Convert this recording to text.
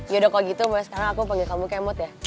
yaudah kalau gitu mbak sekarang aku panggil kamu kemote ya